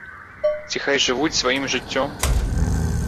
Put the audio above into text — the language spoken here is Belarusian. Ці хай жывуць сваім жыццём?